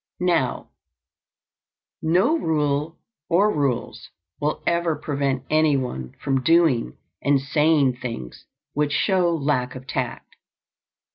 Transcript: Now, no rule or rules will ever prevent anyone from doing and saying things which show lack of tact.